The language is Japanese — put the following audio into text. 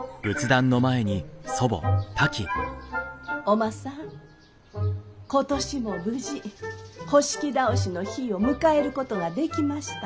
おまさん今年も無事倒しの日を迎えることができました。